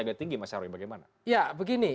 agak tinggi mas sarwini bagaimana ya begini